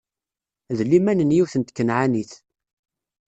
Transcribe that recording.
D liman n yiwet n tkanɛanit.